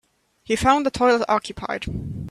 He found the toilet occupied.